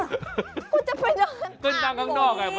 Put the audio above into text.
เราจะไปนั่งข้างนอก